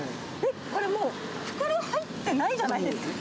これもう、袋入ってないじゃないですか。